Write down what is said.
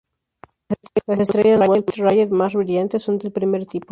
Las estrellas Wolf-Rayet más brillantes son del primer tipo.